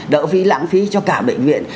đỡ phí lãng phí cho cả bệnh viện